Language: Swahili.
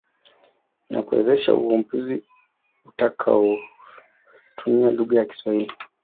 na kuwezesha uvumbuzi utakaotumia lugha ya Kiswahili.